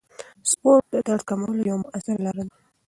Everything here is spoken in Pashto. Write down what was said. سپورت د درد کمولو یوه موثره لاره ده.